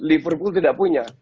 liverpool tidak punya